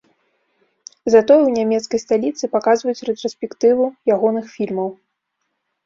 Затое ў нямецкай сталіцы паказваюць рэтраспектыву ягоных фільмаў.